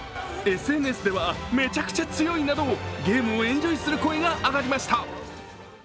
ＳＮＳではめちゃくちゃ強いなどゲームをエンジョイする声があがりました。